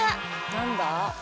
何だ？